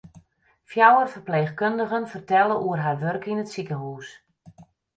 Fjouwer ferpleechkundigen fertelle oer har wurk yn it sikehûs.